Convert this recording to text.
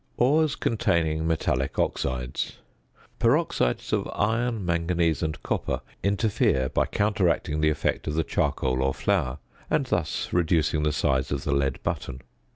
~Ores containing Metallic Oxides.~ Peroxides of iron, manganese, and copper interfere by counteracting the effect of the charcoal or flour, and thus reducing the size of the lead button.